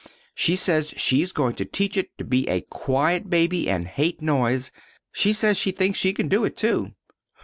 She says she's going to teach it to be a quiet baby and hate noise. She says she thinks she can do it, too."